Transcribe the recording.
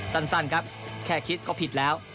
สั้นครับแค่คิดก็ผิดแล้ว